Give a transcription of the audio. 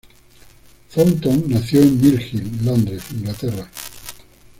Troughton nació en Mill Hill, Londres, Inglaterra.